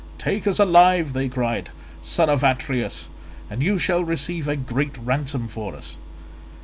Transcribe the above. "Take us alive," they cried, "son of Atreus, and you shall receive a great ransom for us.